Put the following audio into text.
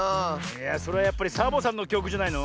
いやそれはやっぱりサボさんのきょくじゃないの？